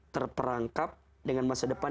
terperangkap dengan masa depan